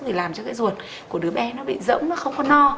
thì làm cho cái ruột của đứa bé nó bị rỗng nó không có no